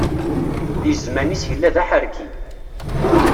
Di zzman-is yella d aḥerki.